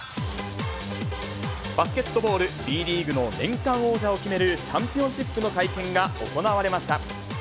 バスケットボールＢリーグの年間王者を決めるチャンピオンシップの会見が行われました。